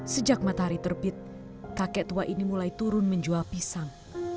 sejak matahari terbit kakek tua ini mulai turun menjual pisang